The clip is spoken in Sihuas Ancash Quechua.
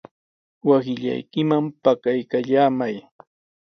Wasillaykiman pakaykallamay.